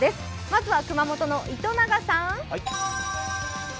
まずは、熊本の糸永さん！